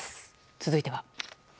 続いては。